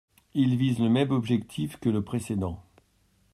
Il vise le même objectif que le précédent.